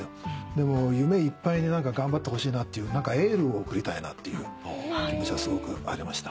でも夢いっぱいに頑張ってほしいなっていう何かエールを送りたいなっていう気持ちがすごくありました。